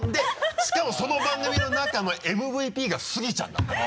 しかもその番組の中のＭＶＰがスギちゃんだったのよ。